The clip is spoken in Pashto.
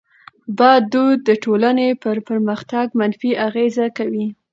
بد دود د ټټولني پر پرمختګ منفي اغېز کوي.